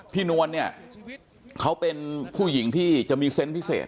นวลเนี่ยเขาเป็นผู้หญิงที่จะมีเซนต์พิเศษ